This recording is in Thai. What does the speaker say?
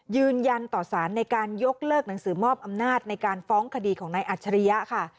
ยืนยันต่อสารในการยกเลิกหนังสือมอบอำนาจในการฟ้องคดีของนายอัจฉริยะค่ะ